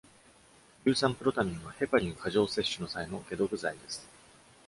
硫酸プロタミンはヘパリン過剰摂取の際の解毒剤です。